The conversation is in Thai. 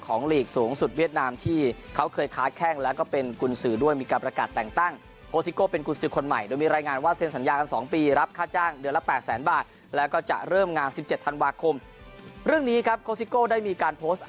ของหลีกสูงสุดเวียดนามที่เขาเคยค้าแข้งแล้วก็เป็นไปเห็นก